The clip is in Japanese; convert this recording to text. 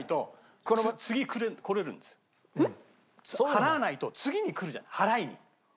払わないと次に来るじゃん払いに。